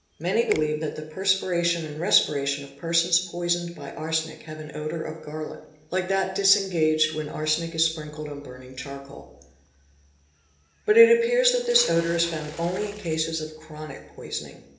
Many believe that ' the perspiration and respiration of persons poisoned by arsenic have an : odour of garlic, like that disengaged when arsenic is sprinkled on burning charcoal, but it appears that this odour is found only in cases of chronic | poisoning.